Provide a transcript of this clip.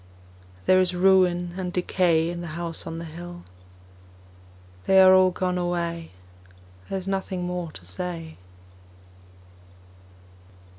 There is ruin and decay In the House on the Hill They are all gone away, There is nothing more to say.